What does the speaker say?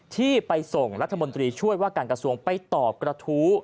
ที่ไปส่งรัฐมนตรีช่วยว่าการกระทรวงไปตอบกระทู้